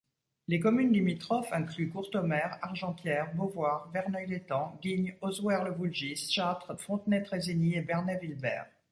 Les communes limitrophes incluent Courtomer, Argentières, Beauvoir, Verneuil-l'Etang, Guignes, Ozouer-le-Voulgis, Châtres, Fontenay-Trésigny et Bernay-Vilbert.